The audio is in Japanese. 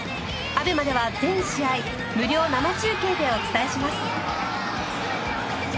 ＡＢＥＭＡでは全試合無料生中継でお伝えします。